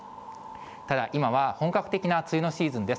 ただ、今は本格的な梅雨のシーズンです。